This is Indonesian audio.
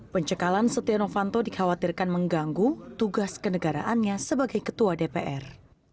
pencekalan setia novanto dikhawatirkan mengganggu tugas kenegaraannya sebagai ketua dpr